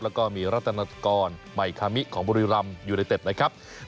แล้วก็มีรัตนกรใหม่คามิของบุรีรำยูไนเต็ดนะครับ